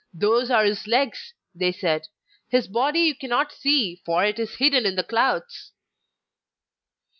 'Those are his legs,' they said; 'his body you cannot see, for it is hidden in the clouds.